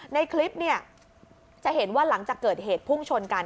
ในคลิปเนี่ยจะเห็นว่าหลังจากเกิดเหตุพุ่งชนกัน